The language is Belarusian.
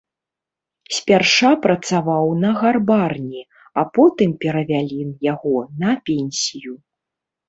Спярша працаваў на гарбарні, а потым перавялі яго на пенсію.